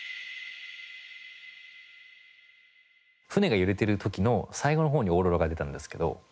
船が揺れてる時の最後の方にオーロラが出たんですけど。